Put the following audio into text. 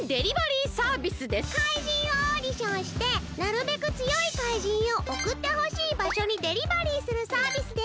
怪人をオーディションしてなるべくつよい怪人をおくってほしいばしょにデリバリーするサービスです！